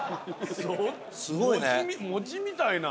餅みたいな。